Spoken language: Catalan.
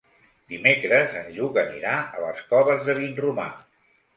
Dimecres en Lluc anirà a les Coves de Vinromà.